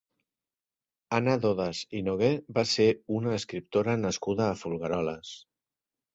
Anna Dodas i Noguer va ser una escriptora nascuda a Folgueroles.